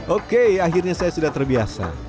oke akhirnya saya sudah terbiasa